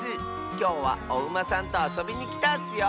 きょうはおウマさんとあそびにきたッスよ。